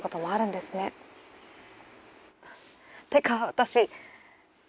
ってか私。